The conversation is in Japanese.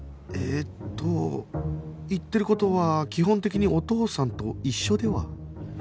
えーっと言ってる事は基本的にお義父さんと一緒では？